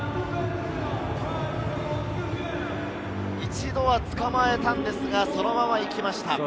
一度は捕まえたんですが、そのまま行きました。